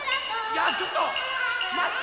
いやちょっとまって。